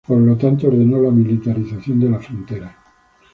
Por lo tanto ordenó la militarización de la frontera.